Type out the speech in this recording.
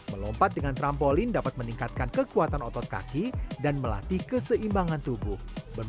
melompat dengan trampolin dapat meningkatkan kekuatan otot kaki dan melatih keseimbangan tubuh